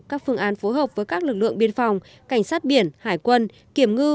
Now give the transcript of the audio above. các phương án phối hợp với các lực lượng biên phòng cảnh sát biển hải quân kiểm ngư